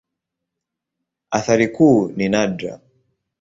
Athari kuu ni nadra.